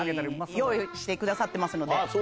用意してくださってますので。